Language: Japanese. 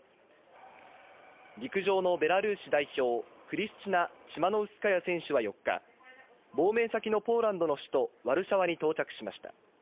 陸上のベラルーシ代表、クリスチナ・チマノウスカヤ選手は４日、亡命先のポーランドの首都・ワルシャワに到着しました。